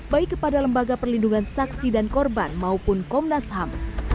baik kepada lembaga perlindungan saksi dan korban maupun komnas ham